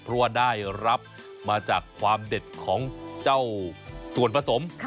เพราะว่าได้รับมาจากความเด็ดของเจ้าส่วนผสม